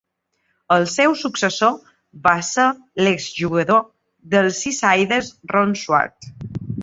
El seu successor va ser l'ex-jugador dels "Seasiders", Ron Suart.